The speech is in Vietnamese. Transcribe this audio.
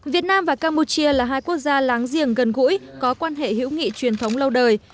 việt nam và campuchia là hai quốc gia láng giềng gần gũi có quan hệ hữu nghị truyền thống lâu đời